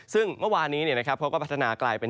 ซึ่งเมื่อวานนี้นะครับเพราะว่าพัฒนากลายเป็น